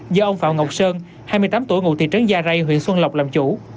do ông phạm ngọc sơn hai mươi tám tuổi ngụ thị trấn gia rai huyện xuân lộc làm chủ